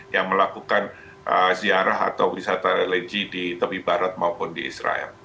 yang melakukan ziarah atau wisata religi di tepi barat maupun di israel